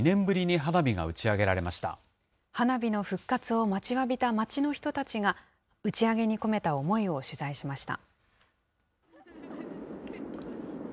花火の復活を待ちわびた町の人たちが、打ち上げに込めた思いを取材しました。